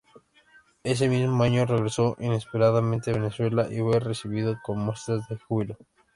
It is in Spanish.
Ese mismo año, regresó inesperadamente a Venezuela y fue recibido con muestras de júbilo.